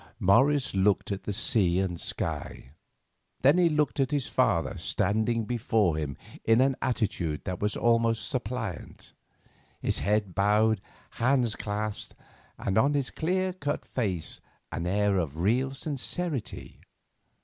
Morris looked at the sea and sky, then he looked at his father standing before him in an attitude that was almost suppliant, with head bowed, hands clasped, and on his clear cut face an air of real sincerity.